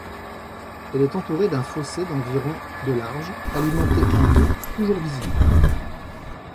Elle est entourée d'un fossé d'environ de large, alimenté en eau, toujours visible.